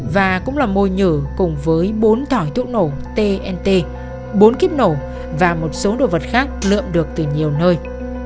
và cũng là môi nhử cùng với bốn thỏi thuốc nổ tnt bốn kíp nổ và một số đồ vật khác lượm được từ nhiều nơi